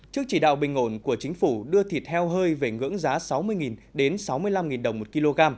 trước chỉ đạo bình ổn của chính phủ đưa thịt heo hơi về ngưỡng giá sáu mươi đến sáu mươi năm đồng một kg